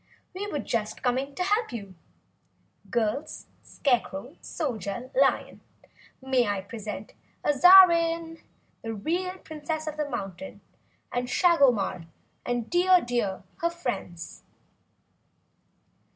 "We were just coming to help you. Girls, Scarecrow, Soldier, Lion may I present Azarine, the real Princess of this Mountain, and Shagomar and Dear Deer, her friends!"